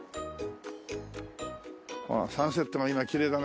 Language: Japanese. サンセットがきれいだね